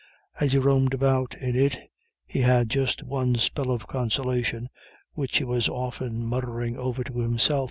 As he roamed about in it, he had just one spell of consolation, which he was often muttering over to himself.